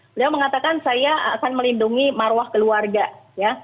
beliau mengatakan saya akan melindungi marwah keluarga ya